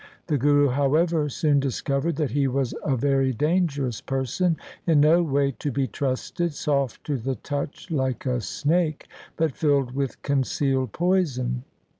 The Guru, however, soon discovered that he was a very dangerous person, in no way to be trusted, soft to the touch like a snake, but filled with concealed poison.